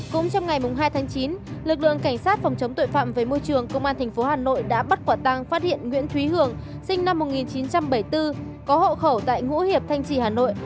cũng trong ngày hai tháng chín lực lượng cảnh sát phòng chống tội phạm về môi trường công an tp hà nội đã bắt quả tăng phát hiện nguyễn thúy hưởng sinh năm một nghìn chín trăm bảy mươi bốn có hậu khẩu tại ngũ hiệp thanh trì hà nội